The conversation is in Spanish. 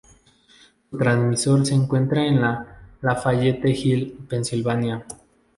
Su transmisor se encuentra en Lafayette Hill, Pensilvania.